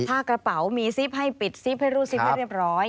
ถ้ากระเป๋ามีซิปให้ปิดซิปให้รูดซิปให้เรียบร้อย